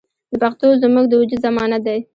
پښتو زموږ د وجود ضمانت دی.